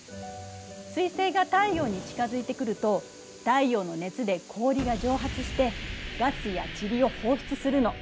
彗星が太陽に近づいてくると太陽の熱で氷が蒸発してガスや塵を放出するの。